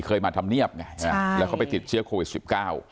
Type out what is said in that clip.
เคยมาทำเนีียบแล้วเข้าไปติดเชื้อโควิด๑๙